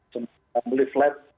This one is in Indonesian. semua yang beli flat